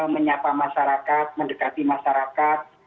menyapa masyarakat mendekati masyarakat